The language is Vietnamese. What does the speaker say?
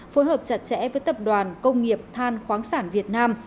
phối hợp chặt chẽ với tập đoàn công nghiệp than khoáng sản việt nam